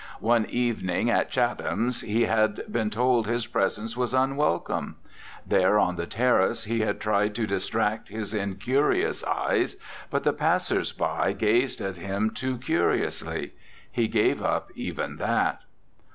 One evening at Chatham's he had been told his presence was unwelcome. There on the terrace he had tried to distract his incurious eyes, but the passers by gazed at him too curiously; he gave up even that.